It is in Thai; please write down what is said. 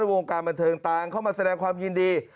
วงการบันเทิงต่างเข้ามาแสดงความยินดี